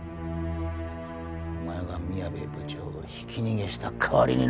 お前が宮部部長をひき逃げした代わりにな！